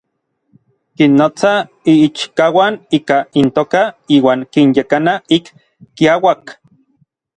Kinnotsa n iichkauan ika intoka iuan kinyekana ik kiauak.